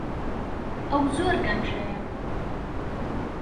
ئەو زۆر گەمژەیە.